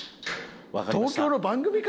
東京の番組か？